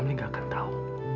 mas ramli gak akan tahu